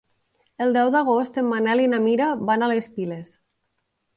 El deu d'agost en Manel i na Mira van a les Piles.